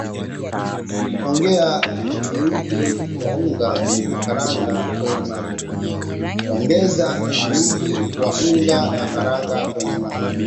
Ongeza ujiuji wa unga na karanga kwenye maji